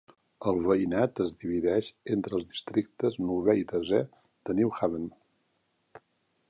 El veïnat es divideix entre els districtes novè i desè de New Haven.